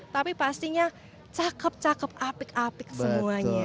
tapi pastinya cakep cakep apik apik semuanya